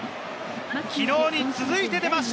きのうに続いて出ました！